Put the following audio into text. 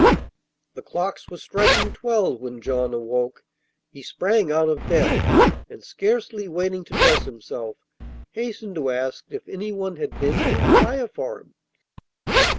The clocks were striking twelve when John awoke. He sprang out of bed, and, scarcely waiting to dress himself, hastened to ask if anyone had been to inquire for him.